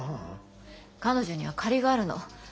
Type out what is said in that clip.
彼女には借りがあるの。